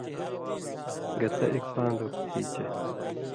گتہ اېک پان٘د اوک تھی چے